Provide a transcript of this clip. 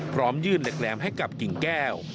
พร้อมยื่นเหล็กแหลมให้กับกิ่งแก้ว